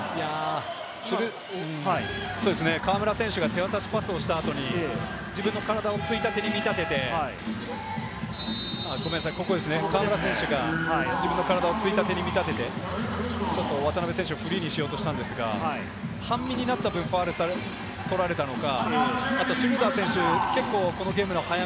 河村選手が手渡しパスをした後に、河村選手が自分の体をついたてに見立てて、渡邊選手をフリーにしようとしたんですが、半身になった分、ファウルを取られたのか。